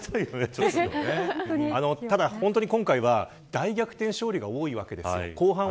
ただ今回は、大逆転勝利が多いわけです。